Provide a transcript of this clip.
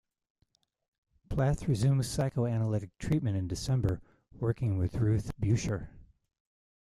Plath resumed psychoanalytic treatment in December, working with Ruth Beuscher.